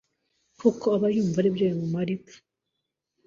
kuko aba yumva aribyo bimumara ipfa